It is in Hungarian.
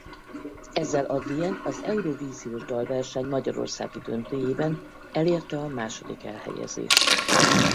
Ezzel Adrien az Eurovíziós Dalverseny magyarországi döntőjében elérte a második elhelyezést.